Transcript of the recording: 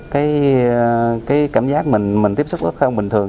cái cảm giác mình tiếp xúc f bình thường